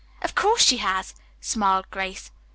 "Of course she has," smiled Grace.